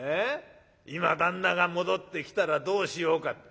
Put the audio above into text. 『今旦那が戻ってきたらどうしようか』